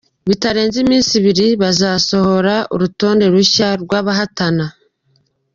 Bitarenze iminsi ibiri bazasohora urutonde rushya rw’abahatana.